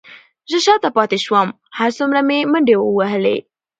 زه شاته پاتې شوم، هر څومره مې منډې وهلې،